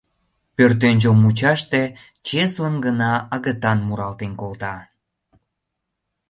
Пӧртӧнчыл мучаште чеслын гына агытан муралтен колта.